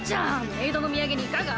メイドの土産にいかが？